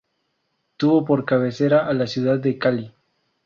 Tuvo por cabecera a la ciudad de Cali.